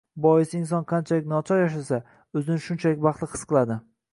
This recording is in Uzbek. Boisi inson qanchalik nochor yashasa, o`zini shunchalik baxtli his qiladi